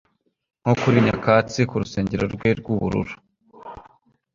nko kuri nyakatsi, kurusengero rwe rwubururu